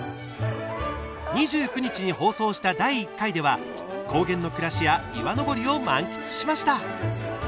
２９日に放送した第１回では高原の暮らしや岩登りを満喫しました。